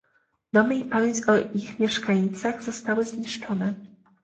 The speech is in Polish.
Domy i pamięć o ich mieszkańcach zostały zniszczone